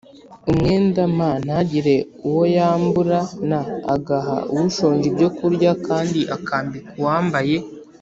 Umwenda m ntagire uwo yambura n agaha ushonje ibyokurya kandi akambika uwambaye